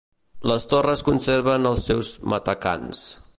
Les torres conserven els seus matacans.